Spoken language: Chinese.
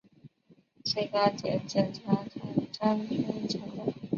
最高检检察长张军强调